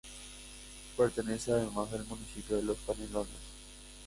Pertenece además al municipio de Canelones.